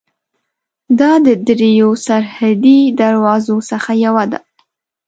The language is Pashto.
دا د درېیو سرحدي دروازو څخه یوه ده.